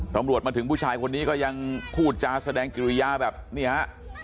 มาถึงผู้ชายคนนี้ก็ยังพูดจาแสดงกิริยาแบบเนี่ยฮะ